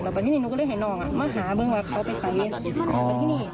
แต่บางทีนี่หนูก็เลยเห็นน้องมาหาเบื้องว่าเขาไปไหน